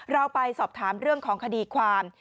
เราไปสอบถามเรื่องของคดีความ